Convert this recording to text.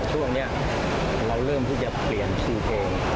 ช่วงนี้เราเริ่มที่จะเปลี่ยนคิวเพลง